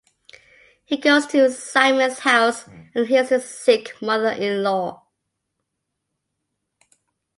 He goes to Simon's house and heals his sick mother-in-law.